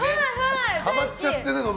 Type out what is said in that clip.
はまっちゃってね。